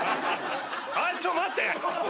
あっちょっ待って！